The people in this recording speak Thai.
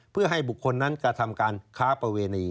เพื่อให้บุคคลนั้นกระทำการค้าประเวณี